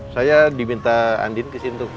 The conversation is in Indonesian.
saya diminta andin kesini tuh